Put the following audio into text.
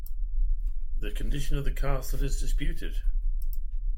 The condition of the castle is disputed.